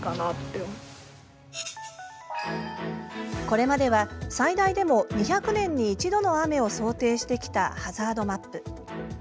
これまでは最大でも２００年に一度の雨を想定してきたハザードマップ。